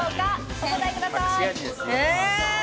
お答えください。